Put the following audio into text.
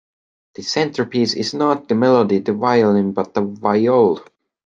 The centerpiece is not the melody, the violin, but the viol.